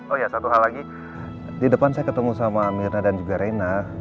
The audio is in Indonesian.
oh ya satu hal lagi di depan saya ketemu sama mirna dan juga reina